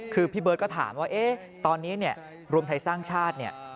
คือพี่เบิร์ตก็ถามว่าตอนนี้เนี่ยรวมไทยสร้างชาติเนี่ย